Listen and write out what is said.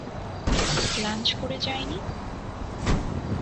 Lunch করে যায়নি?